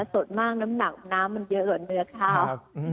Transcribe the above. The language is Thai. สดมากน้ำหนักน้ำมันเยอะกว่าเนื้อข้าว